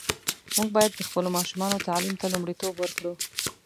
موږ باید د خپلو ماشومانو تعلیم ته لومړیتوب ورکړو.